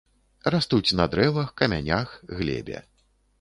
Растуць на дрэвах, камянях, глебе.